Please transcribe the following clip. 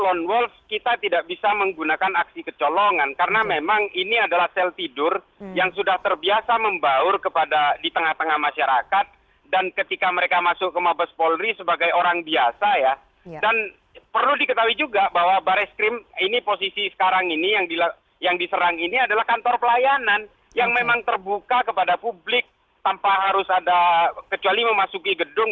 hal memang tidak ada pengawasan secara khusus karena memang ini kantor pelayanan kan